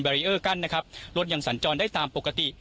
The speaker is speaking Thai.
รีเออร์กั้นนะครับรถยังสัญจรได้ตามปกติ